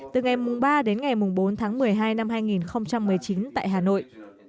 từ ngày ba đến ngày bốn tháng một mươi hai năm hai nghìn một mươi chín tại hà nội